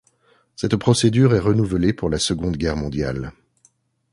Cette procédure est renouvelée pour la Seconde Guerre mondiale.